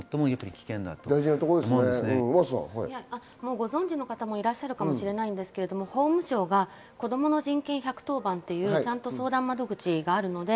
ご存知の方もいらっしゃるかもしれませんが、法務省が子供の人権１１０番という相談窓口があります。